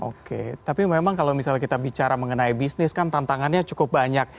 oke tapi memang kalau misalnya kita bicara mengenai bisnis kan tantangannya cukup banyak